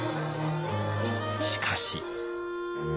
しかし。